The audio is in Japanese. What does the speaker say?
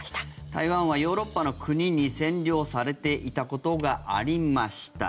台湾はヨーロッパの国に占領されていたことがありました。